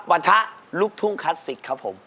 วัฒะลุกทุ่งคลาสสิคครับผม